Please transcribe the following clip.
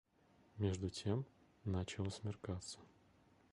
Между тем начало смеркаться.